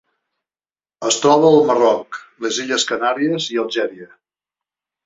Es troba al Marroc, les Illes Canàries i Algèria.